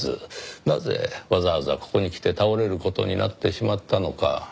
なぜわざわざここに来て倒れる事になってしまったのか？